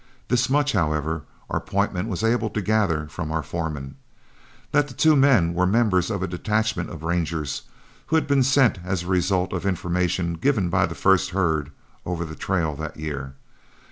This much, however, our point man was able to get from our foreman: that the two men were members of a detachment of Rangers who had been sent as a result of information given by the first herd over the trail that year.